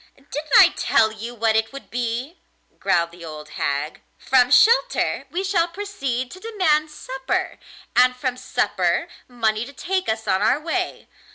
'Didn't I tell you what it would be?' growled the old hag. 'From shelter we shall proceed to demand supper, and from supper money to take us on our way.